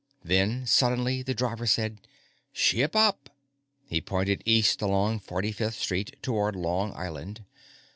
Then, suddenly, the driver said: "Ship up!" He pointed east, along 45th Street, toward Long Island.